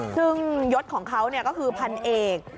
ซึ่งยศของเขาก็คือพันเอก